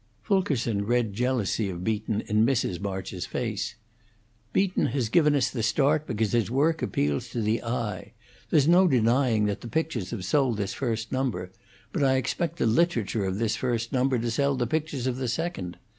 Fulkerson read jealousy of Beaton in Mrs. March's face. "Beaton has given us the start because his work appeals to the eye. There's no denying that the pictures have sold this first number; but I expect the literature of this first number to sell the pictures of the second.